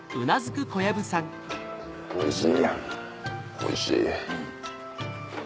おいしいおいしい。